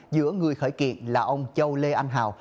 giữa người khởi kiện là ông châu lê anh hào